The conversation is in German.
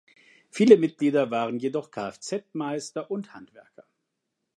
Viele Mitglieder waren jedoch Kfz-Meister und -Handwerker.